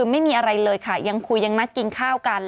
ไม่มีอะไรเลยค่ะยังคุยยังนัดกินข้าวกัน